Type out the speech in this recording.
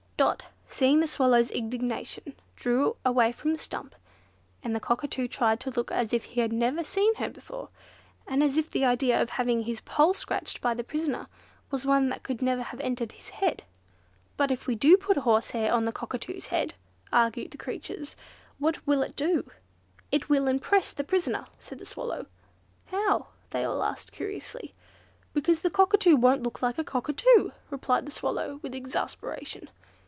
Dot, seeing the Swallow's indignation, drew away from the stump, and the Cockatoo tried to look as if he had never seen her before, and as if the idea of having his poll scratched by the prisoner was one that could never have entered his head. "But, if we do put horsehair on the Cockatoo's head," argued the creatures, "what will it do?" "It will impress the prisoner," said the Swallow. "How?" they all asked curiously. "Because the Cockatoo won't look like a Cockatoo," replied the Swallow, with exasperation.